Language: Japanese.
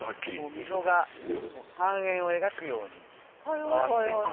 溝が半円を描くように回っています。